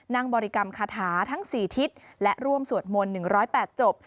บริกรรมคาถาทั้ง๔ทิศและร่วมสวดมนต์๑๐๘จบ